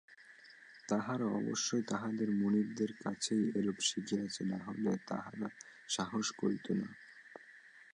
তাহারা অবশ্য তাহাদের মনিবদের কাছেই এইরূপ শিখিয়াছে নহিলে তাহারা সাহস করিত না।